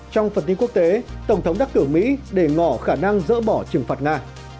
trong phần tin quốc tế tổng thống đắc cử mỹ để ngỏ khả năng dỡ bỏ trừng phạt nga